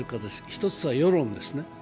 一つは世論ですね。